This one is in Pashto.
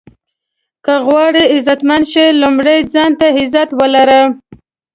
که غواړئ عزتمند شې لومړی ځان ته عزت ولره.